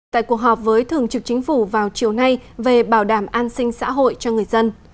tại cuộc họp với thường trực chính phủ vào chiều nay về bảo đảm an sinh xã hội cho người dân